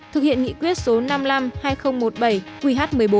thực hiện nghị quyết số năm trăm năm mươi hai nghìn một mươi bảy qh một mươi bốn